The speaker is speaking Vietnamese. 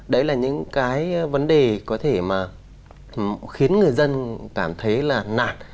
đấy là những cái vấn đề có thể mà khiến người dân cảm thấy là nạt